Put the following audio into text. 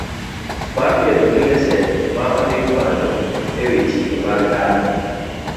Mar bedo gi lesen ma ondik malo e wi chike mag ndara.